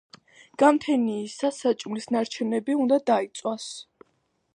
გამთენიისას საჭმლის ნარჩენები უნდა დაიწვას.